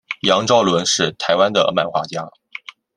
杨邵伦是台湾的漫画家。